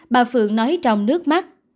bà phượng nói trong nước mắt